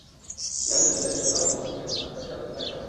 Yazid Syria থেকে Kufa এবং Mecca থেকে মদিনা ত্রাসের রাজত্ব কায়েম করেন।